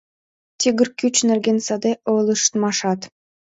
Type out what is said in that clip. Тигр кӱч нерген саде ойлыштмашат…